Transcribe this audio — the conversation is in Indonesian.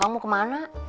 abang mau kemana